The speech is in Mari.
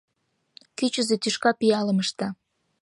Кӱчызӧ тӱшка пиалым ышта!